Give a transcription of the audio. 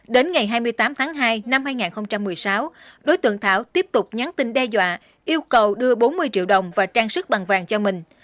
đến ngày hai mươi tám tháng hai năm hai nghìn một mươi sáu đối tượng thảo tiếp tục nhắn tin đe dọa yêu cầu đưa bốn mươi triệu đồng và trang sức bằng vàng cho mình